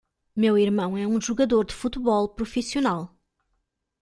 Meu irmão é um jogador de futebol profissional.